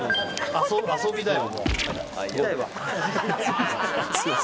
遊びだよ。